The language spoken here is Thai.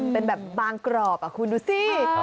เป็นแบบบางกรอบคุณดูสิ